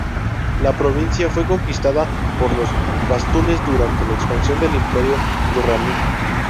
La provincia fue conquistada por los pastunes durante la expansión del Imperio Durrani.